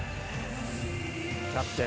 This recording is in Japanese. キャプテン